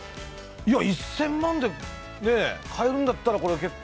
１０００万円で買えるんだったら、結構。